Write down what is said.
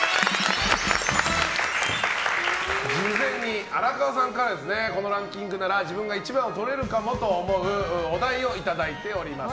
事前に荒川さんからこのランキングなら自分が１番をとれるかもと思うお題をいただいております。